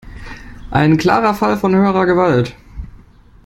Ein klarer Fall von höherer Gewalt.